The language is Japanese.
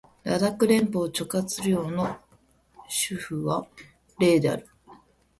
ラダック連邦直轄領の首府はレーである